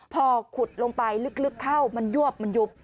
พอขุดลงไปลึกเข้ามันยวบมันยุบ